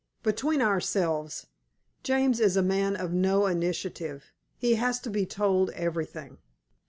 Between ourselves, James is a man of no initiative. He has to be told everything.